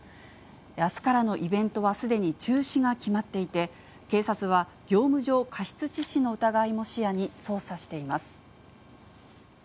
あすからのイベントはすでに中止が決まっていて、警察は、業務上過失致死の疑いも視野に捜査しています。